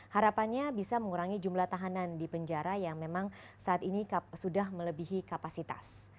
harapannya bisa mengurangi jumlah tahanan di penjara yang memang saat ini sudah melebihi kapasitas